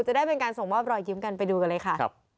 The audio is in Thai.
จะได้เป็นการส่งมอบรอยยิ้มกันไปดูกันเลยค่ะ